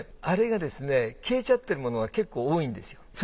あれが消えちゃってるものが結構多いんですよ。